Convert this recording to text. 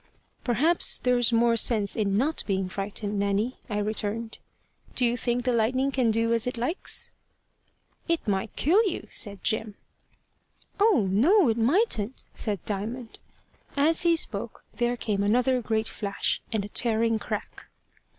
"Perhaps there's more sense in not being frightened, Nanny," I returned. "Do you think the lightning can do as it likes?" "It might kill you," said Jim. "Oh, no, it mightn't!" said Diamond. As he spoke there came another great flash, and a tearing crack.